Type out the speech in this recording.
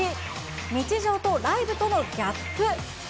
日常とライブとのギャップ。